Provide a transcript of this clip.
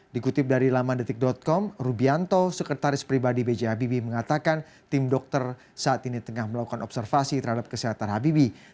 dikutip dari lamandetik com rubianto sekretaris pribadi b j habibie mengatakan tim dokter saat ini tengah melakukan observasi terhadap kesehatan habibi